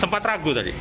sempat ragu tadi